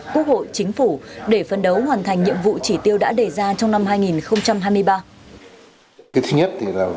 quốc hội chính phủ để phân đấu hoàn thành nhiệm vụ chỉ tiêu đã đề ra trong năm hai nghìn hai mươi ba